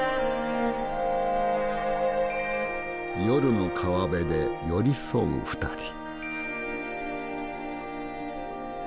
夜の川辺で寄り添う２人。